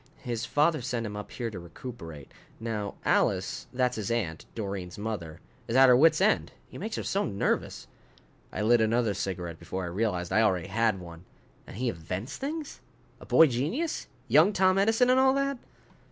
His father sent him up here to recuperate. Now Alice that's his aunt, Doreen's mother is at her wits' end, he makes her so nervous." I lit another cigarette before I realized I already had one. "And he invents things? A boy genius? Young Tom Edison and all that?"